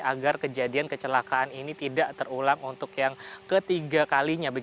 agar kejadian kecelakaan ini tidak terulang untuk yang ketiga kalinya